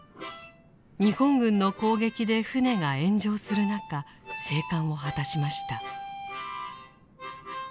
日本軍の攻撃で艦が炎上する中生還を果たしました。